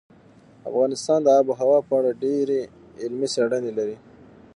افغانستان د آب وهوا په اړه ډېرې علمي څېړنې لري.